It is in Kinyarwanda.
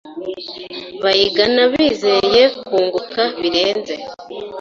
bayigana bizeye kunguka birenze.